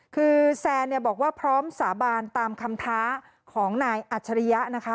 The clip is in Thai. คือแซนเนี่ยบอกว่าพร้อมสาบานตามคำท้าของนายอัจฉริยะนะคะ